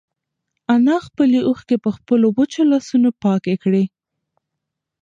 انا خپلې اوښکې په خپلو وچو لاسونو پاکې کړې.